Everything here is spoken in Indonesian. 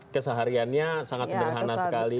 kesehariannya sangat sederhana sekali